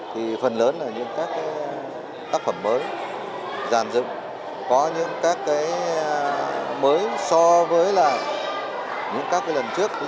thì phần lớn là những các tác phẩm mới dàn dựng có những các cái mới so với là những các lần trước